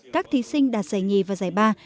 các thí sinh đạt giải nghì và giải ba